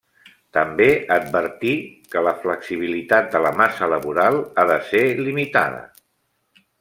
També advertí que la flexibilitat de la massa laboral ha de ser limitada.